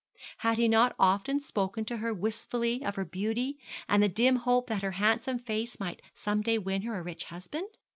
Had he not often spoken to her wistfully of her beauty, and the dim hope that her handsome face might some day win her a rich husband?